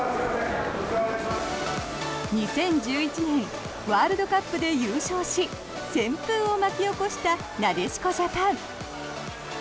２０１１年、ワールドカップで優勝し旋風を巻き起こしたなでしこジャパン。